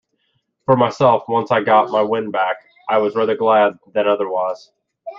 For myself, once I got my wind back, I was rather glad than otherwise.